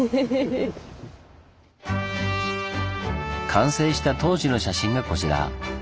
完成した当時の写真がこちら。